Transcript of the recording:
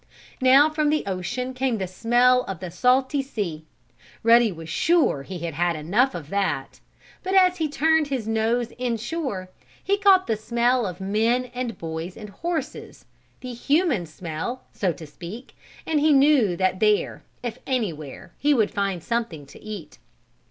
Now from the ocean came the smell of the salty sea. Ruddy was sure he had had enough of that. But as he turned his nose inshore he caught the smell of men and boys and horses the human smell, so to speak, and he knew that there, if anywhere, he would find something to eat.